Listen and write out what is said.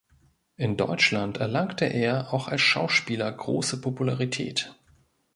In Deutschland erlangte er auch als Schauspieler große Popularität.